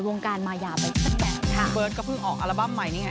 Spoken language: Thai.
วงการมายาไปตั้งแต่พี่เบิร์ตก็เพิ่งออกอัลบั้มใหม่นี่ไง